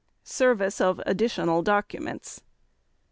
_Service of Additional Documents.